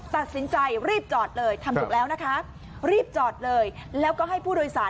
ตัดสินใจรีบจอดเลยทำถูกแล้วนะคะรีบจอดเลยแล้วก็ให้ผู้โดยสาร